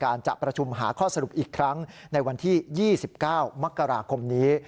จะประชุมหาข้อสรุปอีกครั้งในวันที่๒๙มกราคมนี้